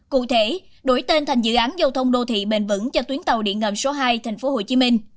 cụ thể đổi tên thành dự án giao thông đô thị bền vững cho tuyến tàu điện ngầm số hai tp hcm